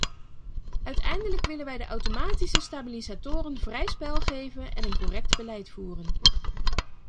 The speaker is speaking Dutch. Uiteindelijk willen wij de automatische stabilisatoren vrij spel geven en een correct beleid voeren.